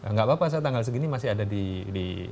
nggak apa apa saya tanggal segini masih ada di